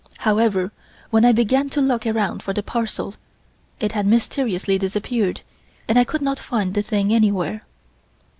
However, when I began to look around for the parcel, it had mysteriously disappeared and I could not find the thing anywhere.